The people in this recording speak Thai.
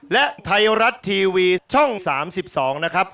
และไทยรัฐทีวีช่อง๓๒นะครับ